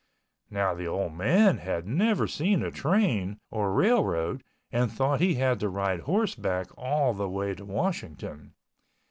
Now the old man had never seen a train or railroad and thought he had to ride horseback all the way to Washington.